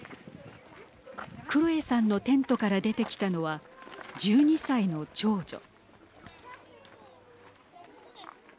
クロエさんのテントから出てきたのは１２歳の長女。